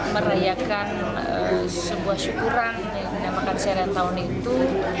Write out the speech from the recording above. merayakan sebuah syukuran yang menemukan seretan tahun itu